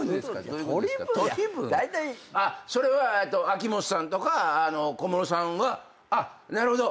あっそれは秋元さんとか小室さんはなるほど。